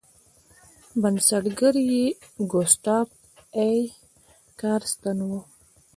بنسټګر یې ګوسټاف ای کارستن و.